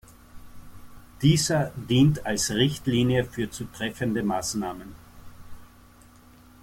Dieser dient als Richtlinie für zu treffende Maßnahmen.